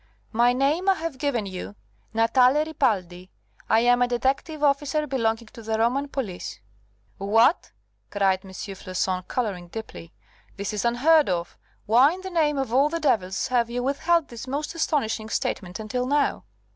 "My name I have given you Natale Ripaldi. I am a detective officer belonging to the Roman police." "What!" cried M. Floçon, colouring deeply. "This is unheard of. Why in the name of all the devils have you withheld this most astonishing statement until now?"